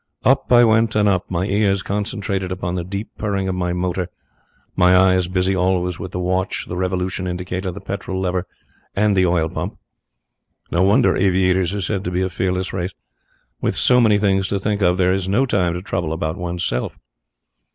Up I went and up, my ears concentrated upon the deep purring of my motor, my eyes busy always with the watch, the revolution indicator, the petrol lever, and the oil pump. No wonder aviators are said to be a fearless race. With so many things to think of there is no time to trouble about oneself.